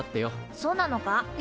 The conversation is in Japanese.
そうなのか？